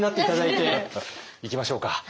いきましょうか。